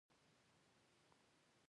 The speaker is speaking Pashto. نجونې به تر هغه وخته پورې مسلکي زدکړې کوي.